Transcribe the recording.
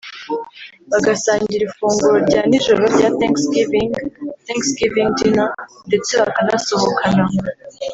bagasangira ifunguro rya nijoro rya Thanksgiving (Thanksgiving Dinner) ndetse bakanasohokana